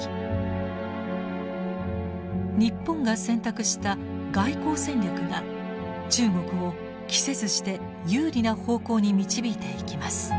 日本が選択した外交戦略が中国を期せずして有利な方向に導いていきます。